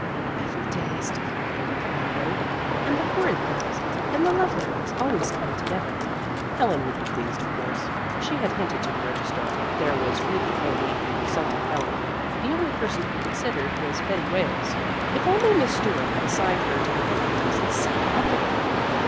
"Every day is different here," thought Betty, "and the horrid things and the lovely ones always come together." Helen would be pleased, of course; as she had hinted to the registrar, there was really no need of consulting Helen; the only person to be considered was Betty Wales. If only Miss Stuart had assigned her to the Hilton house and said nothing!